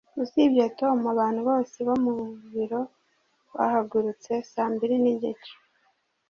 usibye tom, abantu bose bo mu biro bahagurutse saa mbiri n'igice